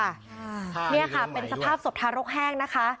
เนี่ยค่ะเป็นสภาพศพทารกแห้งนะคะ